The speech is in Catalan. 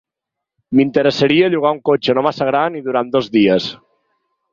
M'interessaria llogar un cotxe no massa gran i durant dos dies.